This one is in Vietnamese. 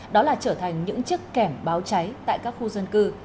đó là trở thành những chiếc kẻm báo cháy tại các khu dân cư